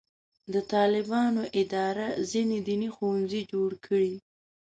د طالبانو اداره ځینې دیني ښوونځي جوړ کړي.